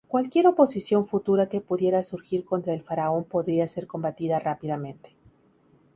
Cualquier oposición futura que pudiera surgir contra el faraón podría ser combatida rápidamente.